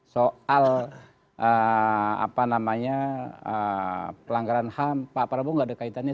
soal pelanggaran ham pak prabowo nggak ada kaitannya